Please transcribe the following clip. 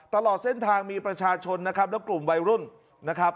ตลอดเส้นทางมีประชาชนนะครับแล้วกลุ่มวัยรุ่นนะครับ